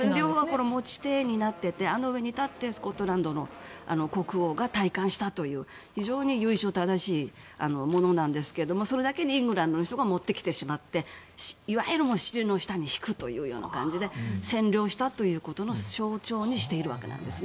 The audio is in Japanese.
持ち手になっていてあの上でスコットランドの王が戴冠したという非常に由緒正しいものなんですがそれだけにイングランドの人が持ってきてしまっていわゆる尻の下に敷くという形で占領したということの象徴にしているわけなんです。